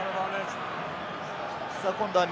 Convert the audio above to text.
今度は右。